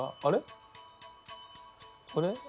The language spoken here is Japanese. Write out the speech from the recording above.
あれ？